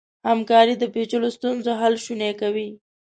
همکاري د پېچلو ستونزو حل شونی کوي.